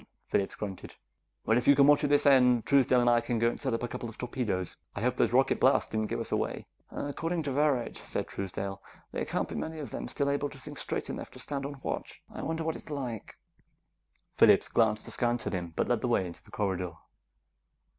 "Ummh," Phillips grunted. "Well, if you can watch at this end, Truesdale and I can go set up a couple of torpedoes. I hope those rocket blasts didn't give us away." "According to Varret," said Truesdale, "there can't be many of them still able to think straight enough to stand on watch. I wonder what it's like...." Phillips glanced askance at him, but led the way into the corridor.